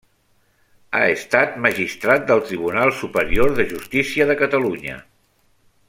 Ha estat magistrat del Tribunal Superior de Justícia de Catalunya.